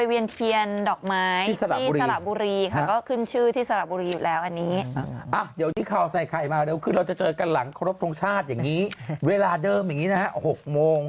เวลาเดิมอย่างนี้๖โมง